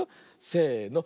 せの。